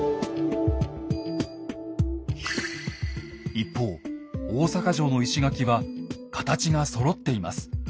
一方大坂城の石垣は形がそろっています。